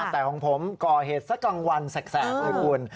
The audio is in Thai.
แต่ของผมก่อเหตุสักกลางวันแสกเลยคุณ